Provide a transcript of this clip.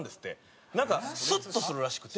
なんかスッとするらしくて。